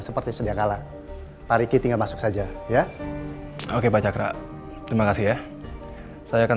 seperti sedia kala pak riki tinggal masuk saja ya oke pak cakra terima kasih ya saya akan